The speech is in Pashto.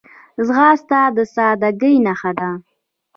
ځغاسته د سادګۍ نښه ده